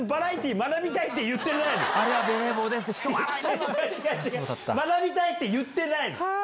「学びたい」って言ってないの！